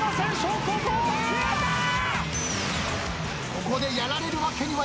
ここでやられるわけにはいかない。